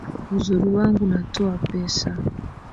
Uzuri wangu natoa pesa